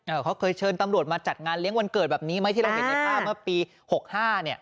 เขาเคยเชิญตำรวจมาจัดงานเลี้ยงวันเกิดแบบนี้ไหมที่เราเห็นในภาพเมื่อปีหกห้าเนี่ย